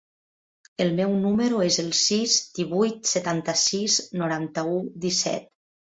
El meu número es el sis, divuit, setanta-sis, noranta-u, disset.